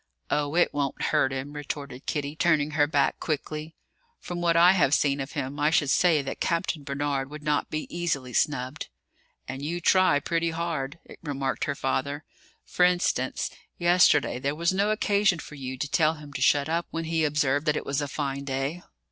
"Oh, it won't hurt him," retorted Kitty, turning her back quickly. "From what I have seen of him, I should say that Captain Barnard would not be easily snubbed." "And you try pretty hard," remarked her father. "For instance, yesterday there was no occasion for you to tell him to shut up when he observed that it was a fine day."